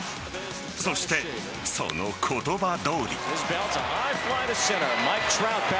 そして、その言葉どおり。